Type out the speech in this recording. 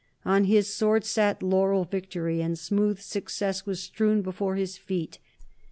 On his sword sat laurel victory, and smooth success was strewn before his feet.